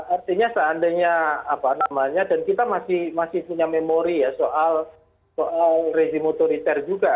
artinya seandainya apa namanya dan kita masih punya memori ya soal resimotoriter juga